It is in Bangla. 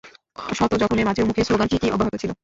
শত জখমের মাঝেও মুখে শ্লোগান ঠিকই অব্যাহত ছিল।